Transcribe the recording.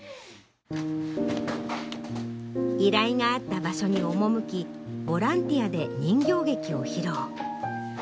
依頼があった場所に赴きボランティアで人形劇を披露。